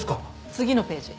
次のページ。